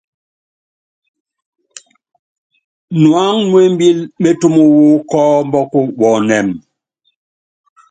Nuáŋu nú embíli métúm wu kɔ́ɔmbɔk wɔnɛ́m.